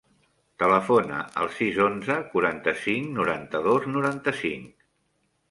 Telefona al sis, onze, quaranta-cinc, noranta-dos, noranta-cinc.